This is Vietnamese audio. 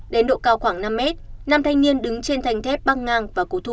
đến độ cao khoảng năm m năm thanh niên đứng trên thanh thép băng ngang và cố thủ